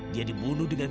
dia dibunuh dengan